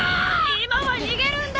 今は逃げるんだ！